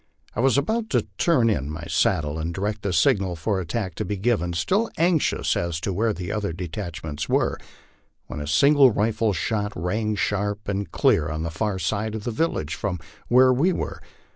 I was about to turn in my saddle and direct the signal for attack to be given still anxious as to where the other detachments were when a single rifle shot rang sharp and clear on the far side of the village from where we were.